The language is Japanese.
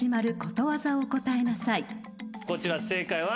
こちら正解は。